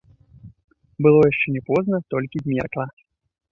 Было яшчэ не позна, толькі змеркла.